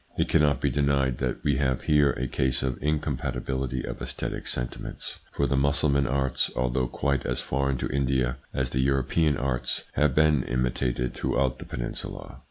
It cannot be denied that we have here a case of incompatibility of aesthetic sentiments, for the Mussulman arts, although quite as foreign to India as the European arts, have been imitated throughout the peninsula.